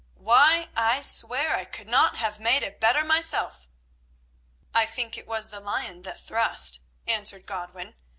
"Why, I swear I could not have made a better myself." "I think it was the lion that thrust," answered Godwin.